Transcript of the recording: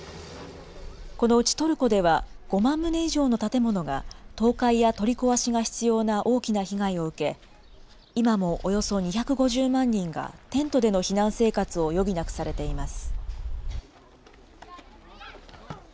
このうちトルコでは、５万棟以上の建物が倒壊や取り壊しが必要な大きな被害を受け、今もおよそ２５０万人がテントでの避難生活を余儀なくされています。